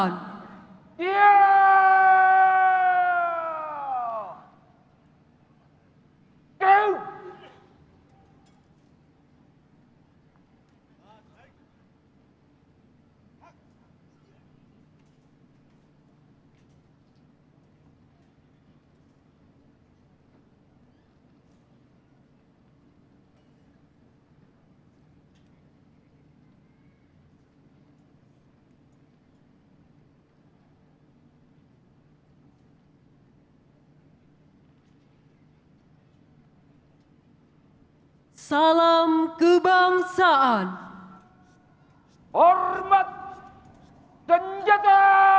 tuhan ku berkata